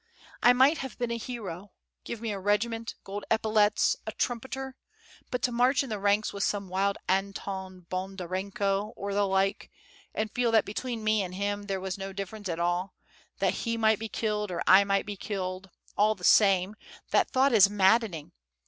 I might have been a hero: give me a regiment, gold epaulets, a trumpeter, but to march in the ranks with some wild Anton Bondarenko or the like, and feel that between me and him there was no difference at all that he might be killed or I might be killed all the same, that thought is maddening.